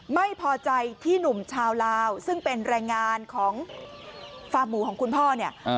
ไม่พอใจที่หนุ่มชาวลาวซึ่งเป็นแรงงานของฟาร์มหมูของคุณพ่อเนี่ย